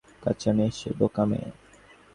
কাঁচা মেয়ে সে, বোকা মেয়ে।